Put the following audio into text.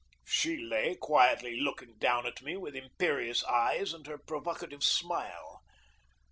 She lay quietly looking down at me with imperious eyes and her provocative smile.